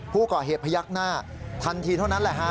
ผู้ก่อเหตุพยักหน้าทันทีเท่านั้นแหละฮะ